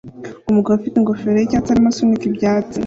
Umugabo ufite ingofero yicyatsi arimo asunika ibyatsi